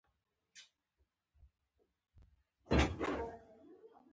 احمده سترګې پټې کړې.